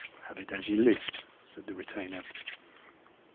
Have it as ye list," said the retainer.